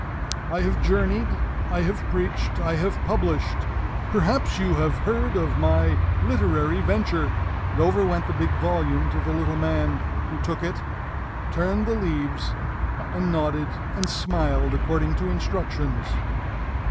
I have journeyed, I have preached, I have published perhaps you have heard of my literary venture" and over went the big volume to the little man, who took it, turned the leaves, and nodded and smiled, according to instructions.